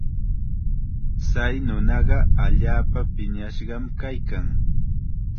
Chay nunaqa allaapa piñashqam kaykan.